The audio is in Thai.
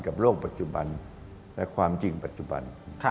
โลกปัจจุบันและความจริงปัจจุบัน